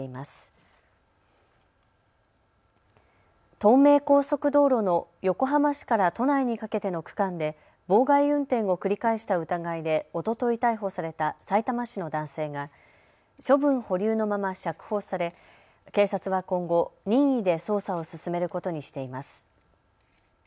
東名高速道路の横浜市から都内にかけての区間で妨害運転を繰り返した疑いでおととい逮捕されたさいたま市の男性が処分保留のまま釈放され警察は今後、任意で捜査を進めることにしています。